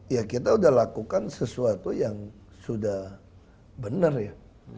ya kita sudah lakukan sesuatu yang sudah benar ya